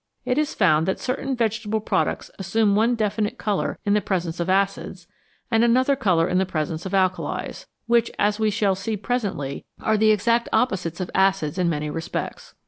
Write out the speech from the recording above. It is found that certain vegetable products assume one definite colour in the presence of acids, and another colour in the presence of alkalis, which, as we shall see presently, are the exact opposites of acids in many respects.